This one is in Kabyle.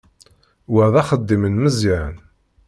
Wa d axeddim n Meẓyan.